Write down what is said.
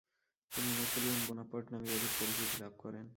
তিনি Napoleon Bonaparte নামেই অধিক পরিচিতি লাভ করেন।